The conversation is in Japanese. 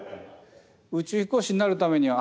宇宙飛行士になるためには。